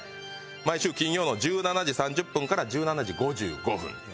毎週金曜の１７時３０分から１７時５５分。